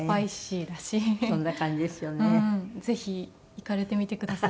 ぜひ行かれてみてください。